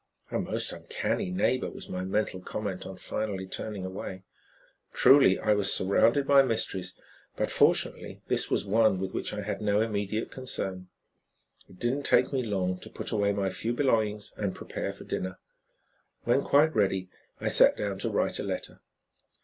"A most uncanny neighbor," was my mental comment on finally turning away. Truly I was surrounded by mysteries, but fortunately this was one with which I had no immediate concern. It did not take me long to put away my few belongings and prepare for dinner. When quite ready, I sat down to write a letter.